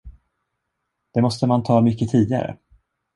Det måste man ta mycket tidigare.